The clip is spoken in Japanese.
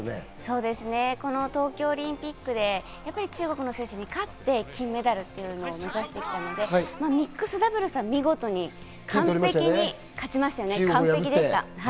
この東京オリンピックでやっぱり中国の選手に勝って金メダルというのを目指してきたので、ミックスダブルスは見事に完璧に勝ちましたよね、完璧でした。